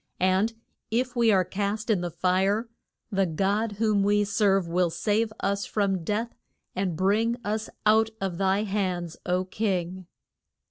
And if we are cast in the fire, the God whom we serve will save us from death and bring us out of thy hands, O king.